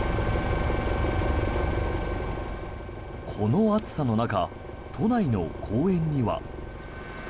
この暑さの中都内の公園には。